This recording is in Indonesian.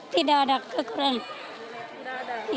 tidak ada kekurangan